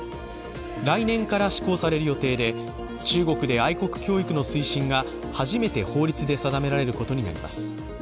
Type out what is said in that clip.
来年から施行される予定で中国で愛国教育の推進が初めて法律で定められることになります。